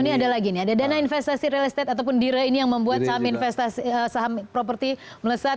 ini ada lagi nih ada dana investasi real estate ataupun dire ini yang membuat saham investasi saham properti melesat